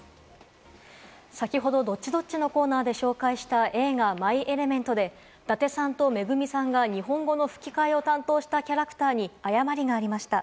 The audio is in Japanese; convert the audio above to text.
先ほどドッチドッチのコーナーで紹介した映画『マイ・エレメント』で、伊達さんとＭＥＧＵＭＩさんが日本語の吹き替えを担当したキャラクターに誤りがありました。